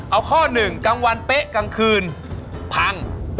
เอาข้อหนึ่งกลางวันเป๊ะกลางคืนพัง